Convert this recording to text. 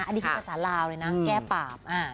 อันนี้คือภาษาลาวเลยนะแก้ปาก